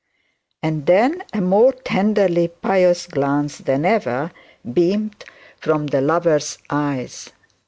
And then a more tenderly pious glance ever beamed from the lover's eyes.